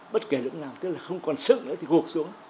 bất kể lúc nào tức là không còn sức nữa thì gộp xuống